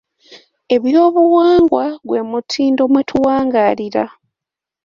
Eby'obuwangwa gwe mutindo mwe tuwangaalira.